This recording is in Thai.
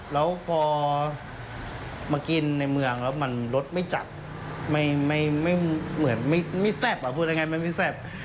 แล้วพอมากินในเมืองแล้วมันรสไม่จัดไม่เหมือนไม่แซ่บอ่ะพูดยังไงมันไม่แซ่บ